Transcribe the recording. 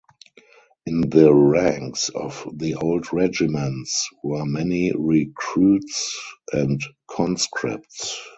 In the ranks of the old regiments were many recruits and conscripts.